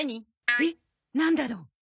えっなんだろう？